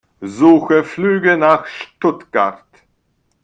Suche Flüge nach Stuttgart.